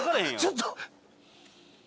ちょっと。